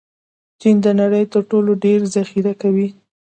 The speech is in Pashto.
چین د نړۍ تر ټولو ډېر ذخیره کوي.